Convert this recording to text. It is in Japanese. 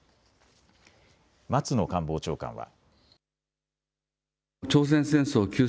松野官房長官は。